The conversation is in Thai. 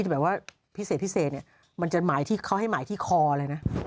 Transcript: ที่แบบว่าพิเศษมันจะเหมาะเขาให้เหมาะที่คอเลยนะ